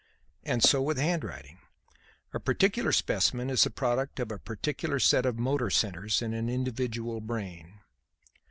And so with handwriting. A particular specimen is the product of a particular set of motor centres in an individual brain."